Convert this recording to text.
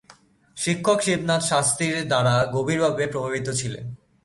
শিক্ষক শিবনাথ শাস্ত্রীর দ্বারা গভীরভাবে প্রভাবিত ছিলেন।